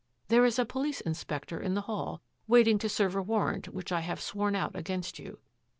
" There is a police inspector in the hall, waiting to serve a warrant which I have sworn out against you.